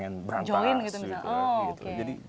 menjauhin gitu misalnya